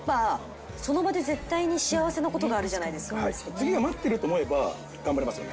次が待ってると思えば頑張れますよね。